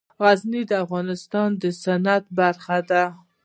غزني د افغانستان د طبیعت برخه ده.